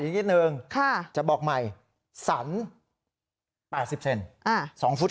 อย่างนี้หนึ่งค่ะจะบอกใหม่สันแปดสิบเซนอ่าสองฟุต